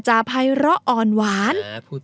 ไม่รออ่อนหวาน